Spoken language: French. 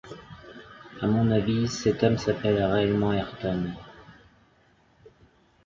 À mon avis, cet homme s’appelle réellement Ayrton.